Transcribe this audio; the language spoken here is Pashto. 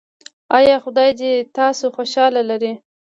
ایا خدای دې تاسو خوشحاله لري؟